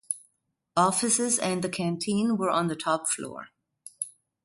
Offices and the canteen were on the top floor.